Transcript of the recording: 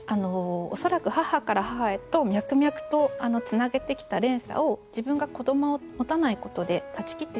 恐らく母から母へと脈々とつなげてきた連鎖を自分が子どもを持たないことで断ち切ってしまう。